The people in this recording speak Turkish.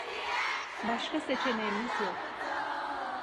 Başka seçeneğimiz yok.